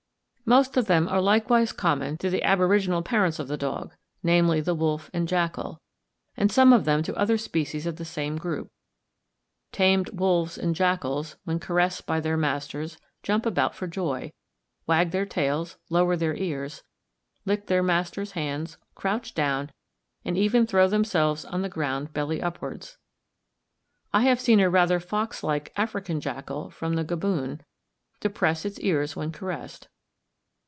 Most of them are likewise common to the aboriginal parents of the dog, namely the wolf and jackal; and some of them to other species of the same group. Tamed wolves and jackals, when caressed by their masters, jump about for joy, wag their tails, lower their ears, lick their master's hands, crouch down, and even throw themselves on the ground belly upwards. I have seen a rather fox like African jackal, from the Gaboon, depress its ears when caressed.